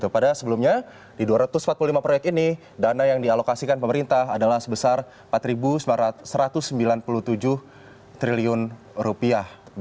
padahal sebelumnya di dua ratus empat puluh lima proyek ini dana yang dialokasikan pemerintah adalah sebesar empat satu ratus sembilan puluh tujuh triliun rupiah